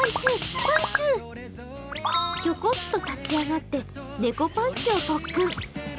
ひょこっと立ち上がって、猫パンチを特訓。